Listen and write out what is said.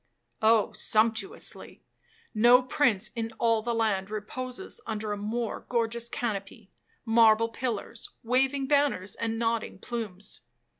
'—'Oh, sumptuously. No prince in all the land reposes under a more gorgeous canopy,—marble pillars, waving banners, and nodding plumes.